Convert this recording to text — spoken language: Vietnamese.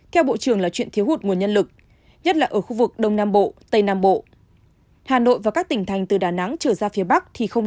theo bộ trưởng là chuyện thiếu hụt nguồn nhân lực nhất là ở khu vực đông nam bộ tây nam bộ